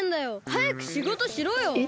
はやくしごとしろよ！え。